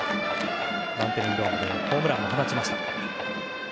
バンテリンドームでホームランを放ちました。